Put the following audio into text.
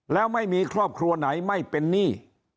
แล้วไม่มีครอบครัวไหนไม่เป็นหนี้